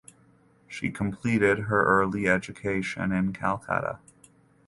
She completed her early education in Calcutta.